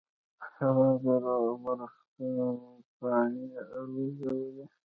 هوا د درختو پاڼې الوزولې.